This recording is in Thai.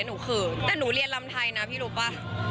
หนูเขินแต่หนูเรียนลำไทยนะพี่รู้ป่ะ